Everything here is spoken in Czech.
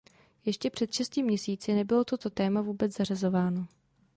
Ještě před šesti měsíci nebylo toto téma vůbec zařazováno.